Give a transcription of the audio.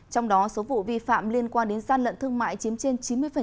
trong đó số vụ vi phạm liên quan đến gian lận thương mại chiếm trên chín mươi